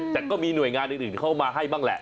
แต่ก็มีหน่วยงานอื่นเข้ามาให้บ้างแหละ